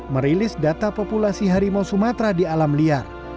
merilis data populasi harimau sumatera di alam liar